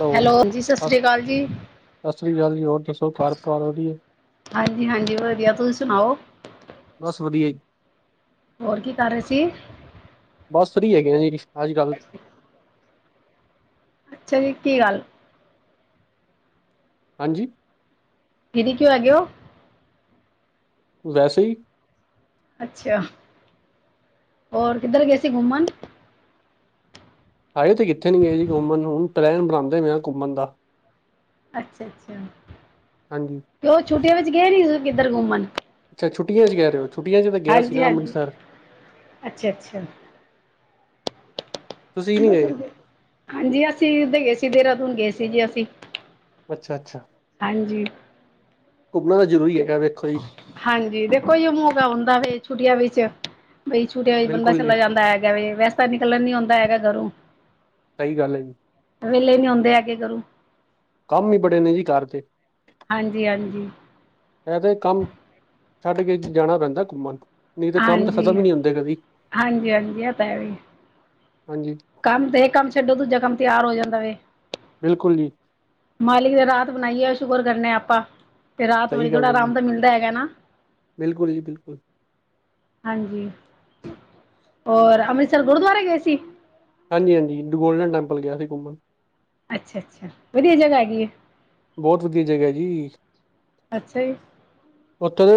Hello, ਜੀ ਸਤਿ ਸ ਸ਼੍ਰੀ ਅਕਾਲ ਜੀ। ਸਤਿ ਸ਼੍ਰੀ ਅਕਾਲ ਜੀ, ਹੋਰ ਦੱਸੋ ਘਰ ਪਰਿਵਾਰ ਵਧੀਆ? ਹਾਂਜੀ- ਹਾਂਜੀ, ਵਧੀਆ ਤੁਸੀਂ ਸੁਣਾਓ? ਬਸ, ਵਧੀਆ ਜੀ। ਹੋਰ, ਕੀ ਕਰ ਰਹੇ ਸੀ? ਬਸ ਫਰੀ ਹੈਗੇ ਆ ਜੀ, ਅੱਜ- ਕੱਲ ਅੱਛਾ ਜੀ, ਕੀ ਗੱਲ? ਹਾਂਜੀ ਫਰੀ ਕਿਉਂ ਹੈਗੇ ਔ? ਵੈਸੇ ਹੀ ਅੱਛਾ, ਹੋਰ ਕਿੱਧਰ ਗਏ ਸੀੇ ਘੁੰਮਣ? ਹਜੇ ਤੇ ਕਿੱਥੇ ਨੀ, ਗਏ ਜੀ ਘੁੰਮਣ, ਹੁਣ ਪਲੈਨ ਬਣਾਉਂਦੇ ਪਏ ਹਾਂ ਘੁੰਮਣ ਦਾ ਅੱਛਾ- ਅੱਛਾ। ਹਾਂਜੀ। ਕਿਉਂ ਛੁੱਟੀਆਂ ਵਿਚ ਗਏ ਨੀ, ਕਿੱਧਰ ਘੁੰਮਣ? ਅੱਛਾ ਛੁੱਟੀਆਂ 'ਚ ਕਹਿ ਰਹੇ ਹੋ? ਛੁੱਟੀਆਂ 'ਚ ਤਾਂ ਗਿਆ ਸੀ ਹਾਂਜੀ ਨਾ ਹਾਂਜੀ ਅੰਮ੍ਰਿਤਸਰ ਅੱਛਾ ਅੱਛਾ। ਤੁਸੀਂ ਨੀ ਗਏ? ਹਾਂਜੀ, ਅਸੀਂ ਉਧਰ ਗਏ ਸੀ, ਦੇਹਰਾਦੂਨ ਗਏ ਸੀ ਜੀ ਅਸੀਂ ਅੱਛਾ- ਅੱਛਾ, ਹਾਂਜੀ। ਘੁੰਮਣਾ ਤਾਂ ਜ਼ਰੂਰੀ ਹੈਗਾ ਵੇਖੋ ਜੀ। ਹਾਂਜੀ ਦੇਖੋ ਜ ਮੌੋਕਾ ਹੁੰਦਾ ਫੇ ਛੁੱਟੀਆਂ ਵਿੱਚ ਬਈ ਛੋਟੀਆਂ ਵਿਚ ਬੰਦਾ ਬਿਲਕੁਲ ਜੀ ਚਲਾ ਜਾਂਦਾ ਹੈਗਾ ਵੇ ਵੈਸੇ ਤਾਂ ਨਿਕਲਣ ਨੀ ਹੁੰਦਾ ਹੈਗਾ ਘਰੋਂ ਸਹੀ ਗੱਲ ਏ ਵਿਹਲੇ ਨੀ ਹੁੰਦੇ ਹੈਗੇ ਘਰੋਂ ਕੰਮ ਹੀ ਬੜੇ ਨੇ ਜੀ ਘੱਰ ਦੇ ਹਾਂਜੀ -ਹਾਂਜੀ। ਇਹ ਤੇ ਕੰਮ ਛੱਡ ਕੇ ਜਾਣਾ ਪੈਂਦਾ ਕੁਮਣ। ਨਹੀਂ ਤੇ, ਕੰਮ ਤੇ ਹਾਂਜੀ ਖਤਮ ਹੀ ਨਹੀਂ ਹੁੰਦੇ, ਕਦੀ ਹਾਂਜੀ ਹਾਂਜੀ ਇਹ ਤਾਂ ਹੈ ਵੀ ਹਾਂਜੀ। ਕੰਮ ਤੇ, ਇਹ ਕੰਮ ਛੱਡੋ, ਦੂਜਾ ਕੰਮ ਤਿਆਰ ਹੋ ਜਾਂਦਾ ਵੇ। ਬਿਲਕੁਲ ਜੀ। ਮਾਲਿਕ ਨੇ ਰਾਤ ਬਣਾਈ ਏ ਸ਼ੁਕਰ ਕਰਨੇ ਆ ਆਪਾਂ ਤੇ ਰਾਤ ਬੀ ਸਹੀ ਗੱਲ ਥੋੜ੍ਹਾ ਹੈ ਜੀ, ਆਰਾਮ ਤਾਂ ਮਿਲਦਾ ਹੈਗਾ ਨਾ। ਬਿਲਕੁਲ ਜੀ। ਹਾਂਜੀ ਹੋਰ ਅੰਮ੍ਰਿਤਸਰ ਗੁਰਦੁਆਰੇ ਗਏ ਸੀ। ਹਾਂਜੀ-ਹਾਂਜੀ ਗੋਲਡਨ ਟੈਂਪਲ ਗਿਆ ਸੀ ਕੁਮਣ। ਅੱਛਾ-ਅੱਛਾ। ਵਧੀਆ ਜਗ੍ਹਾ ਹੈਗੀ ਏ। ਬਹੁਤ ਵਧੀਆ ਜਗ੍ਹਾ ਜੀ। ਅੱਛਾ ਜੀ। ਉੱਥੋਂ ਦੇ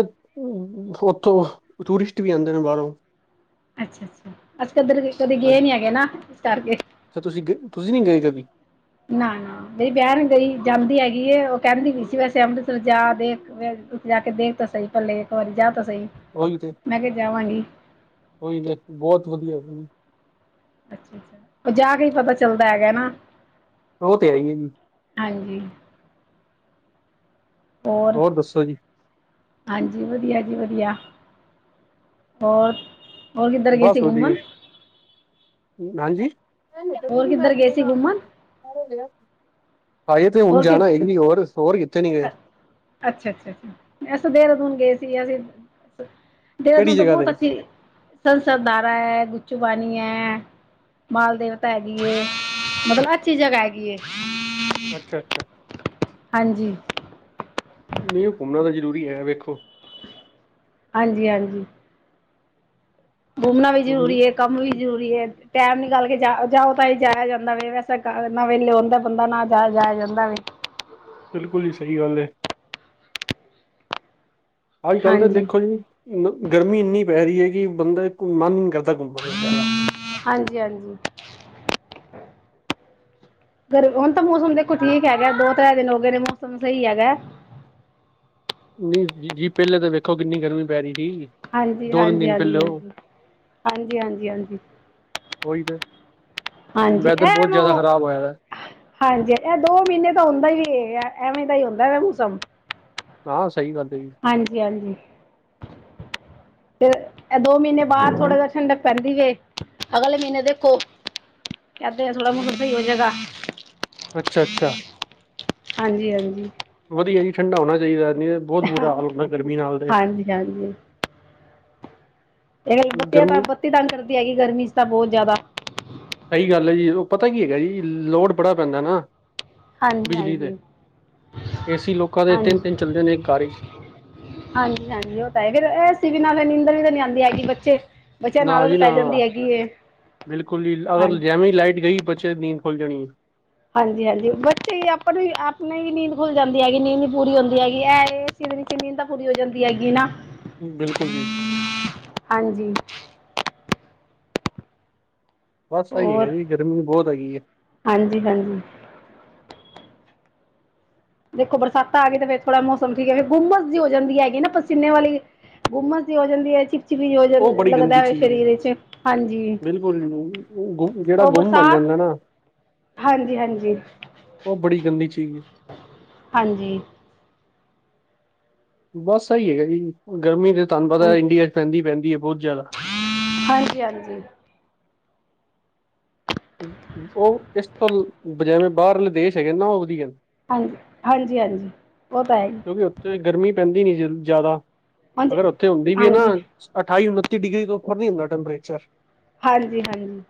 ਉੱਥੋਂ ਟੂਰਿਸਟ ਵੀ ਆਉਂਦੇ ਨੇ ਬਾਹਰੋਂ ਅੱਛਾ-ਅੱਛਾ ਅਸੀ ਕਧਰ ਕਦੇ ਗਏ ਹਾਂਜੀ ਨੀ ਹੈਗੇ ਨਾ ਇਸ ਕਰਕੇ। ਅੱਛਾ ਤੁਸੀਂ ਗ ਤੁਸੀਂ ਨੀ ਗਏ ਕਦੀ। ਨਾ-ਨਾ। ਮੇਰੀ ਬਹਿਣ ਗਈ ਜਾਂਦੀ ਹੈਗੀ ਏ, ਉਹ ਕਹਿੰਦੀ ਵੀ ਸੀ ਵੈਸੇ ਅੰਮ੍ਰਿਤਸਰ ਜਾ ਦੇਖ ਵੇਖ ਜਾ ਕੇ ਦੇਖ ਤਾਂ ਸਹੀ ਪੱਲੇ ਇੱਕ ਵਾਰੀ ਜਾ ਤੇ ਸਹੀ। ਉਹੀ ਤੇ ਮੈਂ ਕਿਹਾ ਜਾਵਾਂਗੀ ਉਹੀ ਤੇ ਬਹੁਤ ਵਧੀਆ ਜੀ। ਅੱਛਾ-ਅੱਛਾ ਜਾ ਕੇ ਹੀ ਪਤਾ ਚੱਲਦਾ ਹੈਗਾ ਨਾ। ਉਹ ਤੇ ਹੈ ਈ ਏ ਜੀ। ਹਾਂਜੀ। ਹੋਰ ਦੱਸੋ ਜੀ ਹਾਂਜੀ। ਵਧੀਆ ਜੀ ਵਧੀਆ ਹੋਰ ਹੋਰ ਕਿੱਧਰ ਗਏ ਬਸ ਸੀ ਘੁੰਮਣ ਵਧੀਆ ਹਾਂਜੀ ਹੋਰ ਕਿੱਧਰ ਗਏ ਸੀ ਘੁੰਮਣ [unintelligible] ਹਾਏ ਤੇ ਹੁਣ ਹੋਰ ਕਿ ਜਾਣਾ ਹੈ ਹੋਰ- ਹੋਰ ਕਿੱਥੇ ਨੀ ਗਏ। ਅੱਛਾ-ਅੱਛਾ-ਅੱਛਾ। ਅਸੀਂ ਦੇਹਰਾਦੂਨ ਗਏ ਸੀ ਅਸੀਂ ਕਿਹੜੀ ਦੇਹਰਾਦੂਨ ਤਾਂ ਜਗ੍ਹਾ ਬਹੁਤ ਤੇ ਅੱਛੀ ਸੰਸਦਧਾਰਾ ਹੈ, ਗੁੱਚੂ ਪਾਣੀ ਹੈ। ਮਾਲ ਦੇਵਤਾ ਹੈਗੀ ਏ। ਮਤਲਬ ਅੱਛੀ ਜਗ੍ਹਾ ਹੈਗੀ ਏ। ਅੱਛਾ-ਅੱਛਾ। ਹਾਂਜੀ। ਨਹੀਂ ਉਹ ਘੁੰਮਣਾ ਤਾਂ ਜ਼ਰੂਰੀ ਹੈ ਵੇਖੋ। ਹਾਂਜੀ-ਹਾਂਜੀ। ਘੁੰਮਣਾ ਵੀ ਕਿਉਂਕਿ ਜ਼ਰੂਰੀ ਏ ਕੰਮ ਵੀ ਜ਼ਰੂਰੀ ਏ। ਟੈਮ ਨਿਕਲ ਕੇ ਜਾ ਜਾਓ ਤਾਂ ਹੀ ਜਾਇਆ ਜਾਂਦਾ ਵੇ ਵੈਸੇ ਨਾ ਵੇਲੇ ਹੋ ਬੰਦਾ ਨਾ ਜਾ ਜਾਇਆ ਜਾਂਦਾ ਵੇ। ਬਿਲਕੁਲ ਜੀ ਸਹੀ ਗੱਲ ਏ। ਅੱਜ-ਕੱਲ੍ਹ ਤਾਂ ਹਾਂਜੀ ਦੇਖੋ ਜੀ ਗਰਮੀ ਇੰਨੀ ਪੈ ਰਹੀ ਏ ਕਿ ਬੰਦਾ ਕੋਈ ਮਨ ਨੀ ਕਰਦਾ ਕਿਧਰ ਘੁੱਮਣ ਦਾ ਜ਼ਿਆਦਾ ਹਾਂਜੀ-ਹਾਂਜੀ। ਗਰ ਹੁਣ ਤਾਂ ਮੌਸਮ ਦੇਖੋ ਠੀਕ ਹੈਗਾ। ਦੋ-ਤ੍ਰੈ ਦਿਨ ਹੋ ਗਏ ਨੇ ਮੌਸਮ ਸਹੀ ਹੈਗਾ। ਨਹੀਂ ਜੀ ਪਹਿਲੇ ਤਾਂ ਵੇਖੋ ਕਿੰਨੀ ਗਰਮੀ ਪੈ ਰਹੀ ਸੀ। ਦੋ ਤਿੰਨ ਦਿਨ ਪਹਿਲੇ ਉਹ- ਹਾਂਜੀ-ਹਾਂਜੀ-ਹਾਂਜੀ-ਹਾਂਜੀ-ਹਾਂਜੀ-ਹਾਂਜੀ-ਹਾਂਜੀ। ਉਹੀ ਤੇ ਹਾਂਜੀ ਵੈਦਰ ਇਹ ਬਹੁਤ ਮੈਂ ਜਿਆਦਾ ਉਹ ਖ਼ਰਾਬ ਹੋਇਆ ਦਾ ਹਾਂਜੀ ਇਹ ਦੋ ਮਹੀਨੇ ਤਾਂ ਹੁੰਦਾ ਹੀ ਏ ਐਵੇਂ ਦਾ ਹੀ ਹੁੰਦਾ ਮੌਸਮ। ਹਾਂ ਸਹੀ ਗੱਲ ਏ। ਹਾਂਜੀ-ਹਾਂਜੀ। ਫਿਰ ਦੋ ਮਹੀਨੇ ਬਾਅਦ ਥੋੜ੍ਹਾ ਜਿਆ ਠੰਡਕ ਪੈਂਦੀ ਜੇ। ਅਗਲੇ ਮਹੀਨੇ ਦੇਖੋ ਯਾਂ ਤੇ ਥੋੜਾ ਮੋਸਮ ਸਹੀ ਹੋ ਜੇਗਾ। ਅੱਛਾ, ਅੱਛਾ। ਹਾਂਜੀ, ਹਾਂਜੀ। ਵਦੀਆ ਜੀ ਠੰਢਾ ਹੋਨਾ ਚਾਈਦਾ ਨੀ ਤੇ, ਬੋਤ ਬੁਰਾ ਹਾਲ ਹੁੰਦਾ ਗਰਮੀ ਨਾਲ ਤੇ ਹਾਂਜੀ ਹਾਂਜੀ [unintelligible] ਗਰਮੀ ਤਾੰਗ ਕਰਦੀ ਹੈਗੀ ਗਰਮੀ ਚ ਤਾਂ ਬੋਤ ਜੈਦਾ। ਸਈ ਗਾੱਲ ਏ ਜੀ, ਓ ਪਤਾ ਕੀ ਹੈਗਾ ਜੀ, ਲੋੜ ਬੜਾ ਪੈਂਦਾ ਨਾ। ਹਾਂਜੀ ਬਿਜਲੀ ਤੇ, ਹਾਂਜੀ ਏਸੀ ਲੋਕਾਂ ਦੇ ਤੇਨ, ਹਾਂਜੀ ਤੇਨ ਚੱਲਦੇ ਨੇ ਏਕ ਘਾੱਰ ਚ ਹਾਂਜੀ, ਹਾਂਜੀ, ਓ ਤਾ ਹੈਈ, ਫੇਰ ਐਸੀ ਬਿਨਾਂ ਫੇਰ ਨੀਂਦਰ ਵੀ ਤਾਂ ਨੀ ਆਂਦੀ ਹੈਗੀ ਬੱਚੇ ਬੱਚਿਆਂ ਨਾ ਨਾਲ ਜੀ ਆਦਤ ਨਾ, ਪੈ ਜਾਂਦੀ ਹੈਗੀ ਏ ਬਿਲਕੁਲ ਜੀ ਹਾਂ ਅਗਰ ਜੈਂਵੇ ਲਾਈਟ ਗਈ ਬੱਚੇ ਨੀਂਦ ਖੁੱਲ ਜਾਨੀ ਏ। ਹਾਂਜੀ, ਹਾਂਜੀ। ਬੱਚੇ ਈ ਆਪਨੇ, ਆਪਨੇ ਈ ਨੀਂਦ ਖੁੱਲ ਜਾਂਦੀ ਹੈਗੀ ਨੀਂਦ ਪੂਰੀ ਹੋਂਦੀ ਹੈਗੀ ਐ ਏ [unintelligible] ਨੀੰਦ ਤਾਂ ਪੂਰੀ ਹੰ ਜਾਂਦੀ ਹੈਗੀ ਨਾ। ਬਿਲਕੁਲ ਜੀ। ਹਾਂਜੀ। ਬਾੱਸ ਐ ਈ ਹੈਗਾ ਹੋਰ ਜੀ, ਗਰਮੀ ਬੋਤ ਹੈਗੀ ਏ। ਹਾਂਜੀ, ਹਾਂਜੀ। ਦੇਖੋ ਬਰਸਾਤਾਂ ਆਗੀ ਤੇ ਫੇਰ ਥੋੜਾ ਮੋਸਮ ਠੀਕ ਏ ਗੁੰਬਸ ਜੀ ਹੋ ਜਾਂਦੀ ਹੈਗੀ ਨਾ ਪਸੀਨੇ ਵਾਲੀ ਗੁੰਮਸ ਜੀ ਹੋ ਜਾਂਦੀ ਏ ਚ [unintelligible] ਉਹ ਬੜੀ ਗੰਦੀ ਲੱਗਦਾ ਏ ਚੀਜ਼ ਹੈ ਸਰੀਰਚ, ਹਾਂਜੀ। ਜੇੜਾ ਉਹ ਗੋਮ ਬਨ ਬਰਸਾਤ ਜਾਂਦਾ ਨਾ ਹਾਂਜੀ, ਹਾਂਜੀ। ਓ ਬੜੀ ਗੰਦੀ ਚੀਜ਼ ਏ। ਹਾਂਜੀ। ਬਾੱਸ ਐਈ ਹੈਗਾ ਜੀ, ਗਰਮੀ ਤੇ ਤਾਂਨ ਪਤੈ ਹਾਂਜੀ ਇੰਡੀਆ ਚ ਪੈਂਦੀ, ਪੈਂਦੀ ਏ ਬੋਤ ਜੈਦਾ। [unintelligible] ਹਾਂਜੀ, ਹਾਂਜੀ। ਓ ਏਸ ਤਲ, ਜੈਵੇਂ ਬਾਰਅਲੇ ਦੇਸ਼ ਹੈਗੇ ਨਾ ਓ ਵਦੀਆਨ। ਹਾਨ ਹਾਂਜੀ, ਹਾਂਜੀ, ਓ ਤਾ ਹੈਈ। ਓਵੀ ਓਥੇ ਗਰਮੀ ਪੈਂਦੀ ਨੀ ਜੀਲ ਜੈਦਾ, ਹਾਂਜੀ ਅਗਰ ਓਥੇ ਹੋਂਦੀ ਵੀ ਏ ਨਾ ਹਾਂਜੀ ਅਠਾਈ, ਉਨੱਤੀ ਡਿਗਰੀ ਤੋ ਉਪਰ ਨੀ ਹੁੰਦਾ ਟੈਂਪਰੇਚਰ ਹਾਂਜੀ, ਹਾਂਜੀ।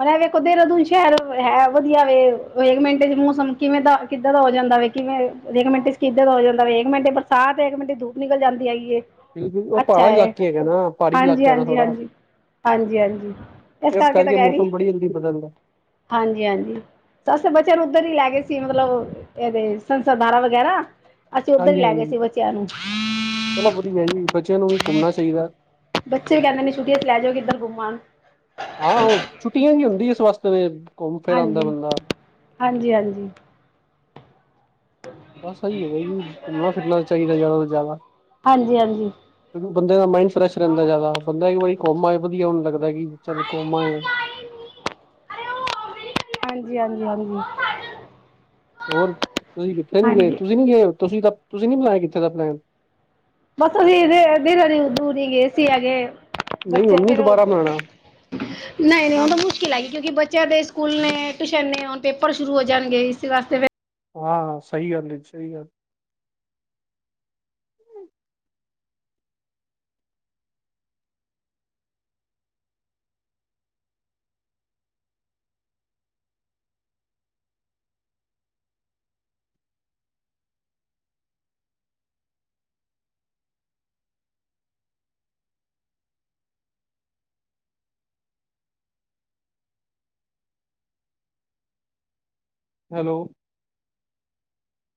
ਹੋਨ ਐ ਵੇਖੋ ਦੇਰਾਦੁਨ ਸ਼ੈਰ ਹੈ ਵਦੀਆ ਵੇ, ਹੇਕ ਮੇਂਟੇ ਚ ਮੋਸਮ ਕਿਵੇਂ ਦਾ ਕਿਦਾਂ ਦਾ ਹੋ ਜਾਂਦਾ ਵੇ ਕਿਵੇਂ, ਏਕ ਮੇਂਟ ਚ ਕਿਦਾਂ ਦਾ ਹੋ ਜਾਂਦਾ ਵੇ ਏਕ ਮੇਂਟ‌ ਬਰਸਾਤ ਮੇਂਟ ਧੁ ਨਿਕਲ ਜਾਂਦੀ ਹੈਗੀ ਏ। ਉਹ ਅੱਛਾ ਪਹਾੜਾ ਏ। ਇਲਾਕੇ ਹੈਗਾ ਨਾ ਪਹਾੜੀ ਹਾਂਜੀ‌ ਇਲਾਕਾ ਹੈ ਨਾ ਹਾਂਜੀ ਥੋੜਾ ਹਾਂਜੀ, ਹਾਂਜੀ ਹਾਂਜੀ। ਏਸ ਇਸ ਕਾਰਕੇ ਤਾਂ ਕਰਕੇ ਕੈਰੀ। ਮੌਸਮ ਬੜੀ ਜਲਦੀ ਬਦਲਦਾ ਹਾਂਜੀ, ਹਾਂਜੀ। ਅਸੀ ਤਾ ਬੱਚੇਆਂ ਨੂੰ ਉੱਧਰ ਈ ਲੈਗੇ ਸੀ, ਮਤਲਬ ਏਦੇ ਸੰਸਧਾਰਾ ਵਗੈਰਾ ਅਸੀ ਓਧਰ ਈ ਹਾਂਜੀ ਲੈਗੇ ਹਾਂਜੀ ਸੀ ਬੱਚੇਆਂ ਨੂੰ ਚਲੋ ਵੜੀ ਭੈਂਜੀ, ਬੱਚੇਆਂ ਨੂੰ ਵੀ ਘੁੰਮਨਾ ਚਾਈਦਾ। ਬੱਚੇ ਕੈਂਦੇ ਨੇ ਛੁੱਟੀਆ ਚ ਲੈ ਚੱਲੋ ਕਿਦਰ ਘੁੰਮਾਨ ਹਾਂ, ਛੁੱਟੀਆਂ ਵੀ ਹੁੰਦੀ ਏਸ ਵਾਸਤੇ ਵੇਚ, ਘੋਮ ਫੇਰ ਆਂਦਾ ਹਾਂਜੀ ਬੰਦਾ ਹਾਂਜੀ, ਹਾਂਜੀ। ਬਾੱਸ ਐਈ ਹੈਗਾ ਜੀ, ਘੁੰਮਨਾ ਫਿਰਨਾ ਚਾਈਦਾ ਜੈਦਾ ਤੋਂ ਜੈਦਾ ਹਾਂਜੀ ਹਾਂਜੀ ਕਯੋਂਕਿ ਬੰਦੇ ਦਾ ਮਾਇੰਡ ਫਰੈਸ਼ ਰੈਂਦਾ ਜੈਦਾ, ਬੰਦਾ ਏਕ ਵਾਰੀ ਕੋਮ ਆਏ, ਵਦੀਆ ਓਨ ਲੱਗਦਾ ਕੀ ਚੱਲ ਕੋਮ ਆਏ ਆ। ਹਾਂਜੀ, ਹਾਂਜੀ, ਹਾਂਜੀ। ਹੋਰ ਤੁਸੀ ਕਿੱਥੇ ਨੀ ਗਏ, ਹਾਂਜੀ ਤੁਸੀ ਨੀ ਗਏ, ਤੁਸੀ‌ ਤਾਂ ਤੁਸੀ ਨੀ ਬਨਾਯਾ ਕਿੱਥੇ ਦਾ ਪਲੈਨ ਬਾੱਸ [unintelligible] ਗਏ ਸੀ ਆਗੇ ਨਹੀਂ ਬੱਚੇ ਹੁਣ ਨੀ ਫੇਰ ਦੁਬਾਰਾ ਬਣਾਉਣਾ ਨਈ, ਨਈ ਹੁਨ ਤਾ ਮੁਸ਼ਕਿਲ ਹੈਗੀ ਕਉਂਕਿ ਬੱਚੇਆਂ ਦੇ ਸਕੂਲ ਨੇ, ਟੂਸ਼ਨ ਨੇ, ਹੋਨ ਪੇਪਰ ਸ਼ੁਰੂ ਹੋ ਜਾਨਗੇ ਇਸੀ ਵਾਸਤੇ ਫੇਰ ਹਾਂ, ਸਈ ਗਾੱਲ ਏ। ਸਈ ਗਾੱਲ ਹੈਲੋ।